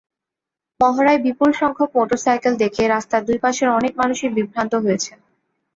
মহড়ায় বিপুলসংখ্যক মোটরসাইকেল দেখে রাস্তার দুই পাশের অনেক মানুষই বিভ্রান্ত হয়েছেন।